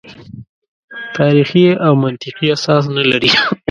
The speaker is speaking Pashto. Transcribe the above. تاریخي او منطقي اساس نه لري.